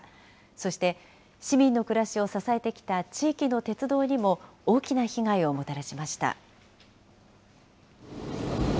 そして、市民の暮らしを支えてきた地域の鉄道にも大きな被害をもたらしました。